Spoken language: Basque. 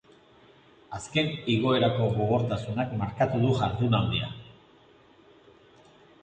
Azken igoerako gogortasunak markatu du jardunaldia.